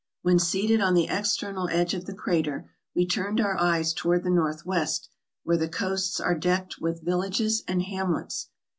When seated on the external edge of the crater, we turned our eyes toward the north west, where the coasts are decked with villages and hamlets.